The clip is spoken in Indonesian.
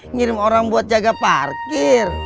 ngirim orang buat jaga parkir